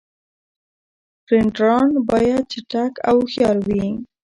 فیلډران باید چټک او هوښیار يي.